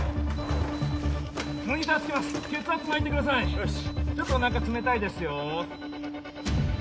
よしちょっとおなか冷たいですよ